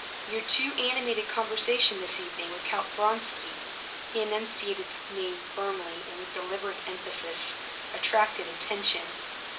Your too animated conversation this evening with Count Vronsky" (he enunciated the name firmly and with deliberate emphasis) "attracted attention."